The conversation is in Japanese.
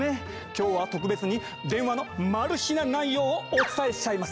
今日は特別に電話のな内容をお伝えしちゃいます。